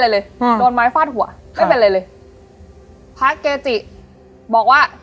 เลยอืมโดนไม้ฟาดหัวไม่เป็นไรเลยพระเกจิบอกว่า